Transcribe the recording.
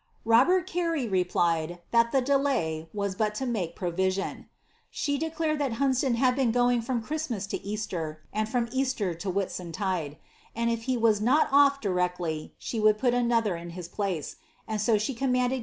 '' Robert Ctiey replied, that the delay waa hut to make She declared that Hunsdon had been going from CSiriatmaa nd from Easter to Whitsuntide; and if he waa not off would put another in his place, and ao ahe commanded